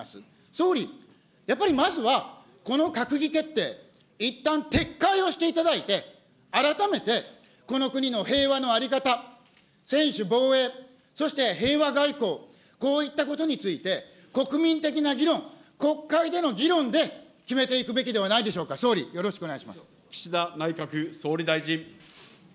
総理、やっぱりまずは、この閣議決定、いったん撤回をしていただいて、改めてこの国の平和の在り方、専守防衛、そして平和外交、こういったことについて、国民的な議論、国会での議論で決めていくべきではないでしょうか、総理、よろし岸田内閣総理大臣。